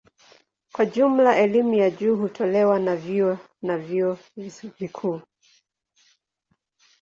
Kwa jumla elimu ya juu hutolewa na vyuo na vyuo vikuu.